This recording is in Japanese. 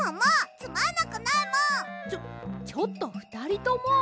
ちょちょっとふたりとも！